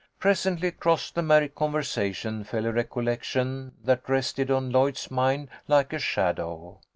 Presently, across the merry conversation, fell a recol lection that rested on Lloyd's mind like a shadow.